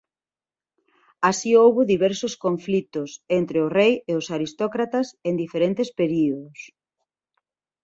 Así houbo diversos conflitos entre o rei e os aristócratas en diferentes períodos.